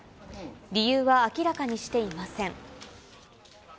理由は明らかにしていません。